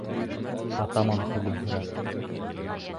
Атаман көлөмһөрәп: